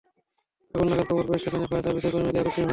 আগুন লাগার খবর পেয়ে সেখানে ফায়ার সার্ভিসের কর্মীরা গিয়ে আগুন নেভান।